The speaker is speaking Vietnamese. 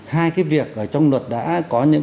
hai cái việc trong luật đã có những